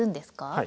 はい。